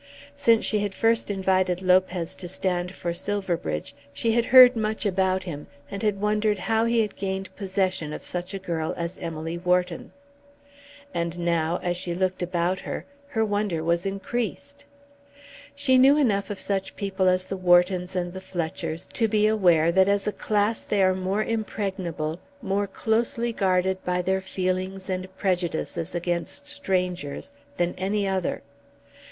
Since she had first invited Lopez to stand for Silverbridge she had heard much about him, and had wondered how he had gained possession of such a girl as Emily Wharton. And now, as she looked about, her wonder was increased. She knew enough of such people as the Whartons and the Fletchers to be aware that as a class they are more impregnable, more closely guarded by their feelings and prejudices against strangers than any other.